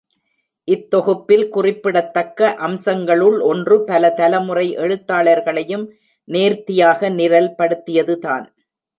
இத்தொகுப்பில் குறிப்பிடத்தக்க அம்சங்களுள் ஒன்று, பல தலைமுறை எழுத்தாளர்களையும் நேர்த்தியாக நிரல் படுத்தியதுதான்.